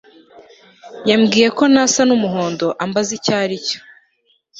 yambwiye ko nasa n'umuhondo ambaza icyo ari cyo